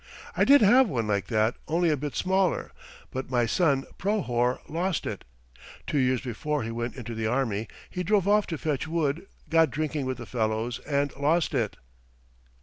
I did have one like that only a bit smaller, but my son Prohor lost it. Two years before he went into the army, he drove off to fetch wood, got drinking with the fellows, and lost it.